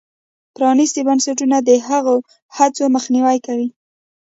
پرانیستي بنسټونه د هغو هڅو مخنیوی کوي.